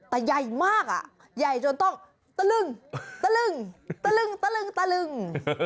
แต่ใหญ่มากใหญ่จนต้องตะลึ่ง